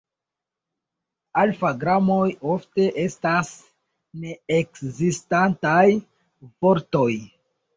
Alfa-gramoj ofte estas ne-ekzistantaj vortoj.